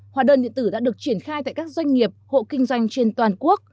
hóa đơn điện tử đã được triển khai tại các doanh nghiệp hộ kinh doanh trên toàn quốc